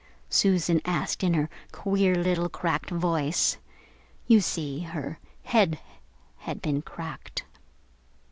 Susan asked in her queer little cracked voice. You see, her head had been cracked.